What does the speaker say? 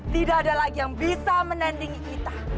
tidak ada lagi yang bisa menandingi kita